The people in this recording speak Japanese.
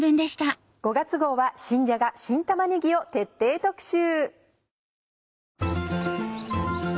５月号は「新じゃが・新玉ねぎ」を徹底特集。